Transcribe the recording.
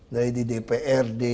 dari di dprd